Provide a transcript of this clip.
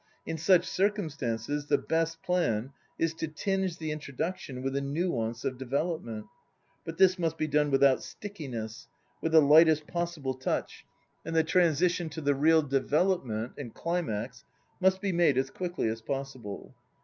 In such circumstances the best plan is to tinge the intro duction with a nuance of "development." But this must be done without "stickiness," with the lightest possible touch, and the transi tion to the real Development and Climax must be made as quickly as possible.